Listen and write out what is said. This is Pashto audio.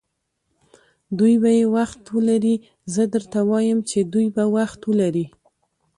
دوی به یې وخت ولري، زه درته وایم چې دوی به وخت ولري.